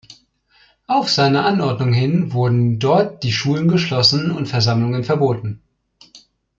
Auf seine Anordnung hin wurden dort die Schulen geschlossen und Versammlungen verboten.